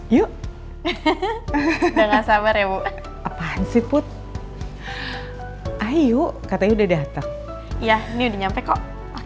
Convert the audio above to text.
yuk gak sabar ya bu apaan sih put ayo katanya udah datang ya ini udah nyampe kok